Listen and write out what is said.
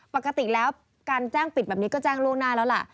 ปกติแล้วการแจ้งปิดแบบนี้ก็แจ้งล่วงหน้าแล้วล่ะ